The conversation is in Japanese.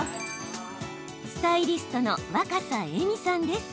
スタイリストの若狭惠美さんです。